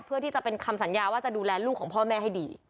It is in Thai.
เพื่อที่จะเป็นคำสัญญาว่าจะดูแลลูกของพ่อแม่ให้ดี